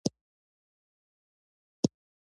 ازادي راډیو د د اوبو منابع وضعیت انځور کړی.